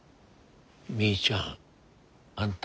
みーちゃんあんた